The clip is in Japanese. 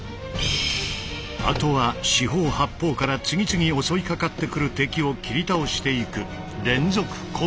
あとは四方八方から次々襲いかかってくる敵を斬り倒していく連続攻撃。